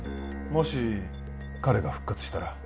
もし彼が復活したら？